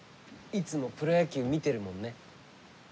いつもプロ野球見てるもんね。